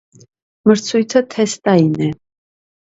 Մրցույթը թեստային է։